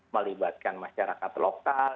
melibatkan masyarakat lokal